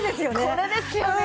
これですよね。